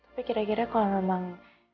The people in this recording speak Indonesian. tapi kira kira kalau memang